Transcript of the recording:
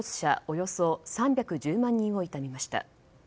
およそ３１０万人を悼みました。